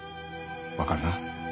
わかるな？